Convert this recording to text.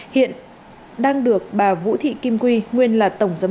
hiện đang được bà vũ thị kim quy nguyên lật